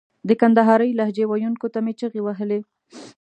د کندهارۍ لهجې ویونکو ته مې چیغې وهلې.